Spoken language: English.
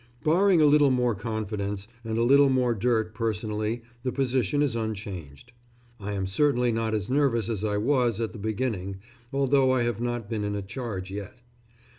Barring a little more confidence and a little more dirt personally the position is unchanged. I am certainly not as nervous as I was at the beginning, although I have not been in a charge yet.